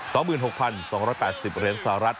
๒๖๒๘๐เหรียญสหรัฐ